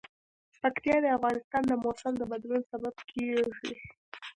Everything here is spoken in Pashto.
پکتیا د افغانستان د موسم د بدلون سبب کېږي.